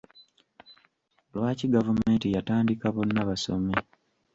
Lwaki gavumenti yatandika Bonna Basome?